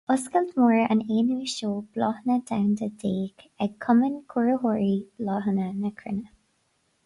Oscailt Mór an aonú Seó Bláthanna Domhanda déag ag Cumann Cóiritheoirí Bláthanna na Cruinne.